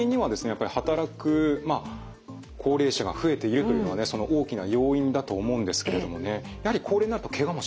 やっぱり働く高齢者が増えているというのがねその大きな要因だと思うんですけれどもねやはり高齢になるとケガもしやすいんですかね。